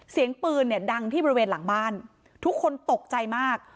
เสียงปืนเนี่ยดังที่บริเวณหลังบ้านทุกคนตกใจมาก